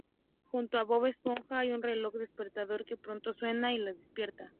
Junto a Bob Esponja hay un reloj despertador, que pronto suena y lo despierta.